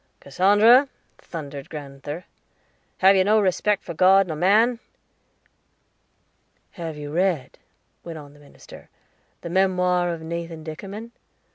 "Cassandra," thundered grand'ther, "have you no respect for God nor man?" "Have you read," went on the minister, "the memoir of Nathan Dickerman?